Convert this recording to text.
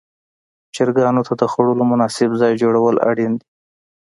چرګانو ته د خوړلو مناسب ځای جوړول اړین دي.